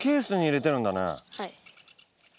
はい。